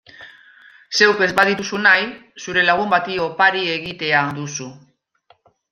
Zeuk ez badituzu nahi zure lagun bati opari egitea duzu.